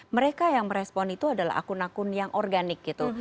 mereka yang merespon itu adalah akun akun yang organik gitu